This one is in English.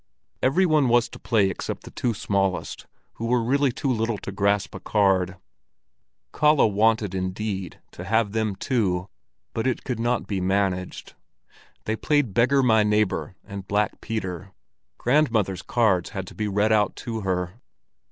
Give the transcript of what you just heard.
Every one was to play except the two smallest, who were really too little to grasp a card; Kalle wanted, indeed, to have them too, but it could not be managed. They played beggar my neighbor and Black Peter. Grandmother's cards had to be read out to her.